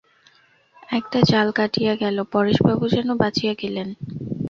একটা জাল কাটিয়া গেল– পরেশবাবু যেন বাঁচিয়া গেলেন।